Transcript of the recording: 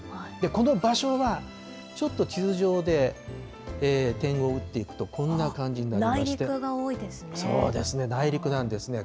この場所はちょっと地図上で点を打っていくとこんな感じになりま内陸が多いですね。